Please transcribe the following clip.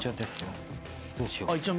どうしよう？